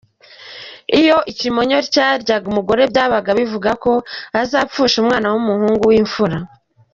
Iyo ikimonyo cyaryaga umugore byabaga bivuga ko azapfusha umwana w’umuhungu w’imfura.